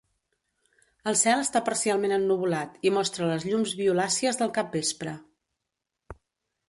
El cel està parcialment ennuvolat i mostra les llums violàcies del capvespre.